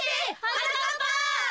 はなかっぱ！